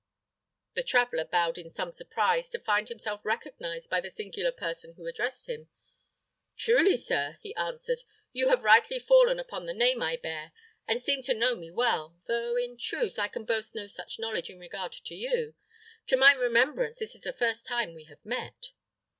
The traveller bowed in some surprise to find himself recognised by the singular person who addressed him. "Truly, sir," he answered, "you have rightly fallen upon the name I bear, and seem to know me well, though in truth I can boast no such knowledge in regard to you. To my remembrance, this is the first time we have met."